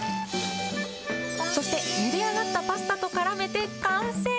そして、ゆで上がったパスタとからめて完成。